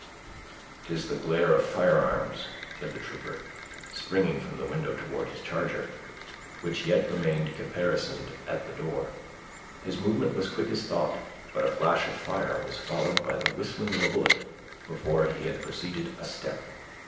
"'Tis the glare of firearms," said the trooper, springing from the window towards his charger, which yet remained caparisoned at the door. His movement was quick as thought, but a flash of fire was followed by the whistling of a bullet, before he had proceeded a step.